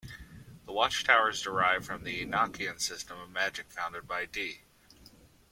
The Watchtowers derive from the Enochian system of magic founded by Dee.